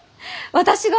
私が？